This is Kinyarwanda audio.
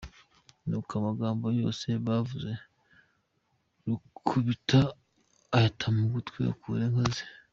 Nuko amagambo yose bavuze Rukubita ayata mu gutwi, akura inka ze.